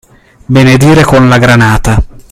Benedire con la granata.